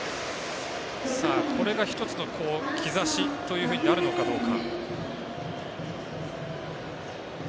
これが１つの兆しというふうになるのかどうか。